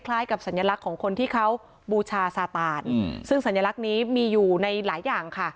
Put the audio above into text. กับสัญลักษณ์ของคนที่เขาบูชาซาตานซึ่งสัญลักษณ์นี้มีอยู่ในหลายอย่างค่ะ